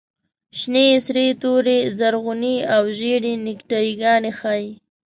شنې، سرې، تورې، زرغونې او زېړې نیکټایي ګانې ښیي.